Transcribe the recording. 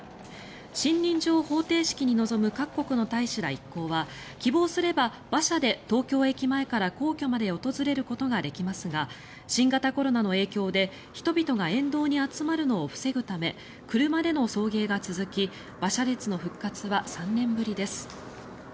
信任状捧呈式に臨む各国の大使ら一行は希望すれば馬車で東京駅前から皇居まで訪れることができますが新型コロナの影響で人々が沿道に集まるのを防ぐため車での送迎が続き馬車列の復活は３年ぶりです。